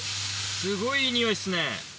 すごいいい匂いっすね。